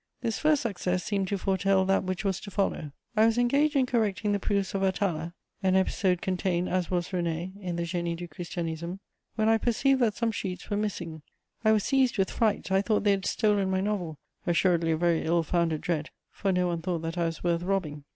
This first success seemed to foretell that which was to follow. I was engaged in correcting the proofs of Atala (an episode contained, as was René, in the Génie du Christianisme), when I perceived that some sheets were missing. I was seized with fright: I thought they had stolen my novel, assuredly a very ill founded dread, for no one thought that I was worth robbing.